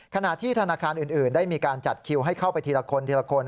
ขณะที่ธนาคารอื่นได้มีการจัดคิวให้เข้าไปทีละคนทีละคน